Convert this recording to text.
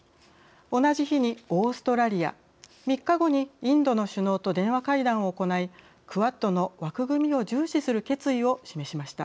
同じ日にオーストラリア３日後にインドの首脳と電話会談を行いクアッドの枠組みを重視する決意を示しました。